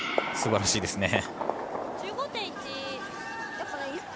すばらしいです。